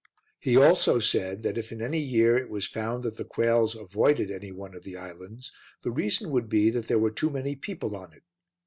He also said that if in any year it was found that the quails avoided any one of the islands, the reason would be that there were too many people on it.